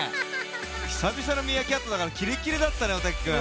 ひさびさのミーアキャットだからキレキレだったねおたけくん。